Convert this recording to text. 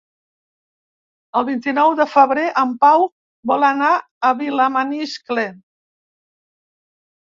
El vint-i-nou de febrer en Pau vol anar a Vilamaniscle.